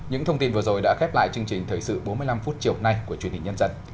những thông tin vừa rồi đã khép lại chương trình thời sự bốn mươi năm phút chiều nay của truyền hình nhân dân